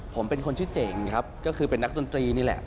ผมเป็นคนชื่อเจ๋งครับก็คือเป็นนักดนตรีนี่แหละ